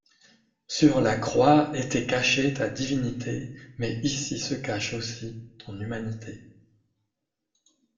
Sur la croix était cachée Ta divinité, mais ici se cache aussi Ton humanité.